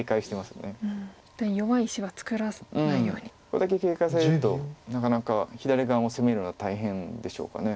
これだけ警戒されるとなかなか左側も攻めるのは大変でしょうかね。